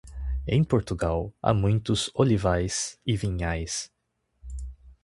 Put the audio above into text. Em Portugal há muitos olivais e vinhas.